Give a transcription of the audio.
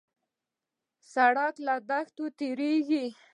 سړک له دښتو تېرېږي.